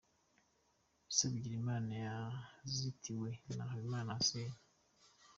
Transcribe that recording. Issa Bigirimana yazitiwe na Habimana Hussein.